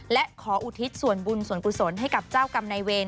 และขออุทิศส่วนบุญส่วนกุศลให้กับเจ้ากรรมนายเวร